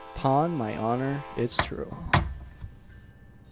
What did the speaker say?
'PON MY HONOUR IT'S TRUE.